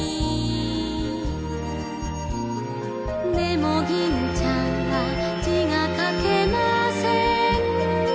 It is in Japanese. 「でも銀ちゃんは字が書けません」